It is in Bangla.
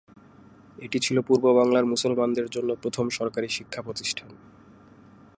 এটি ছিল পূর্ববাংলার মুসলমানদের জন্য প্রথম সরকারি শিক্ষা প্রতিষ্ঠান।